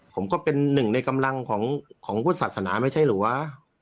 ผมก็เป็นหนึ่งในกำลังของพุทธศาสนาไม่ใช่หรือว่า